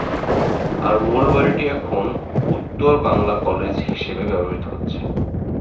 আর মূল বাড়িটি এখন 'উত্তর বাংলা কলেজ' হিসেবে ব্যবহৃত হচ্ছে।